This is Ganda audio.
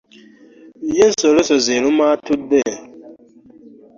Yyo ensorosozi eruma atudde .